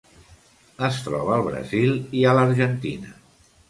Es troba al Brasil i a l'Argentina.